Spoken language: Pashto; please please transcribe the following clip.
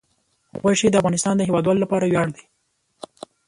غوښې د افغانستان د هیوادوالو لپاره ویاړ دی.